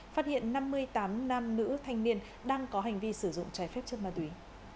phát hiện năm mươi tám nam nữ thanh niên đang có hành vi sử dụng trái phép chất ma túy